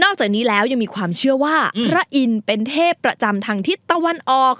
จากนี้แล้วยังมีความเชื่อว่าพระอินทร์เป็นเทพประจำทางทิศตะวันออก